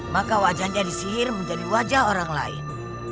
maka wajahnya disihir menjadi wajah orang lain